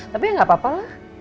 tapi ya nggak apa apa lah